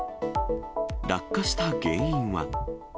落下した原因は。